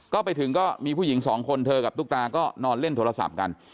ก็ไปถึงก็มีผู้หญิงสองคนเธอกับตุ๊กตาก็นอนเล่นโทรศัพท์กัน